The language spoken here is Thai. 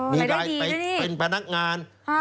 มีรายเป็นพนักงาน